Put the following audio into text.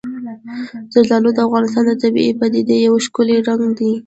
زردالو د افغانستان د طبیعي پدیدو یو ښکلی رنګ دی.